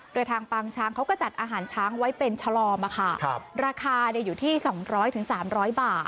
โดยทางปางช้างเขาก็จัดอาหารช้างไว้เป็นชะลอมราคาอยู่ที่๒๐๐๓๐๐บาท